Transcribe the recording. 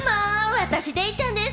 私、デイちゃんです。